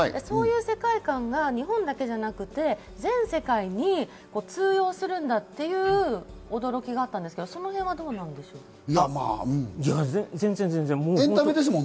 そういう世界感が日本だけじゃなくて全世界に通用するんだっていう驚きがあったんですけど、その辺はどうなんでしょう？